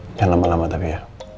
sudah lama lama tapi ya